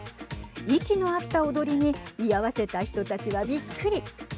息の合った踊りに居合わせた人たちは、びっくり。